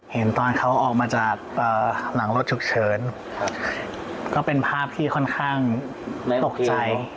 เห็นตอนเขาออกมาจากหลังรถฉุกเฉินก็เป็นภาพที่ค่อนข้างตกใจ